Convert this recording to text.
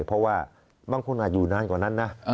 เพราะว่าบางคนอาจอยู่นานกว่านั้นนะ